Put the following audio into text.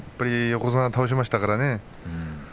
横綱を倒しましたからね。